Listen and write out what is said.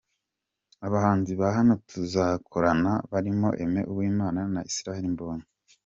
Abahanzi ba hano tuzakorana barimo Aime Uwimana na Israel Mbonyi.